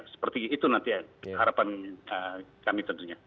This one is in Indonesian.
seperti itu nanti harapan kami tentunya